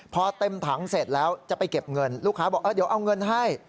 พอเต็มถังเสร็จแล้วจะไปเก็บเงินลูกค้าบอกเดี๋ยวเอาเงินให้